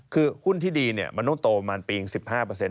คือหุ้นที่ดีเนี่ยมันวจโตปีปี๑๕เปอร์เซ็นต์